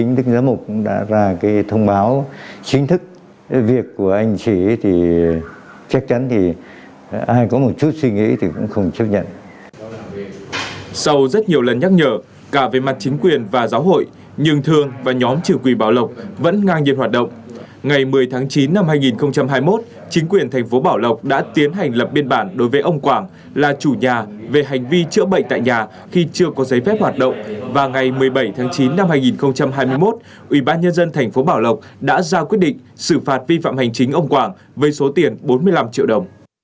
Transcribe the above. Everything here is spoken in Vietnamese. nên biết những người tìm đến thương và nhóm trừ quỷ bảo lộc đều là các bệnh nhân có bệnh hiểm nghèo